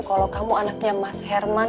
kalau kamu anaknya mas herman